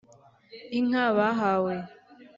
Inka bahawe